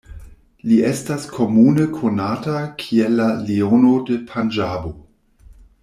Li estas komune konata kiel la "Leono de Panĝabo".